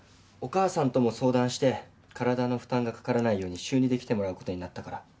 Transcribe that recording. お母さんとも相談して体の負担が掛からないように週２で来てもらうことになったから。